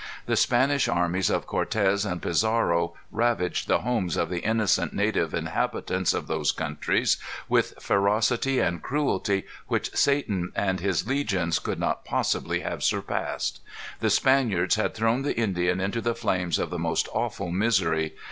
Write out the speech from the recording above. The Spanish armies of Cortez and Pizarro ravaged the homes of the innocent native inhabitants of those countries with ferocity and cruelty which Satan and his legions could not possibly have surpassed. The Spaniards had thrown the Indian into the flames of the most awful misery.